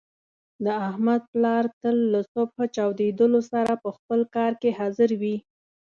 د احمد پلار تل له صبح چودېدلو سره په خپل کار کې حاضر وي.